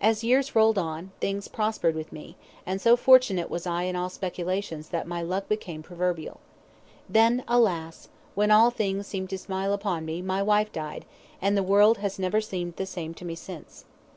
As years rolled on, things prospered with me, and so fortunate was I in all speculations that my luck became proverbial. Then, alas! when all things seemed to smile upon me, my wife died, and the world has never seemed the same to me since.